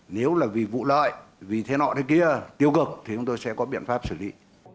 nếu là vì vụ lợi vì thế nọ thế kia tiêu cực thì chúng tôi sẽ có biện pháp xử lý